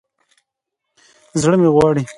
زړه مې غواړي